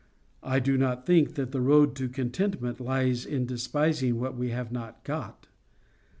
I do not think that the road to contentment lies in despising what we have not got.